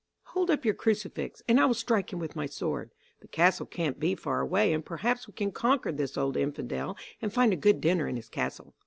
Hold up your crucifix, and I will strike him with my sword. The castle can't be far away, and perhaps we can conquer this old Infidel and find a good dinner in his castle.